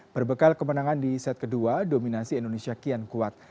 berbekal kemenangan di set kedua dominasi indonesia kian kuat